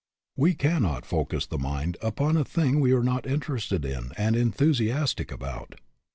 We cannot focus the mind upon a thing we are not interested in and enthusiastic about.